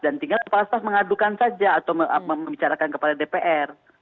dan tinggal kepala staff mengadukan saja atau membicarakan kepada dpr